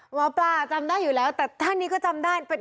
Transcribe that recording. หมอปลาจำได้อยู่แล้วแต่ท่านนี้ก็จำได้